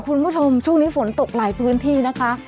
คุณผู้ชมช่วงนี้ฝนตกหลายพื้นที่นะคะ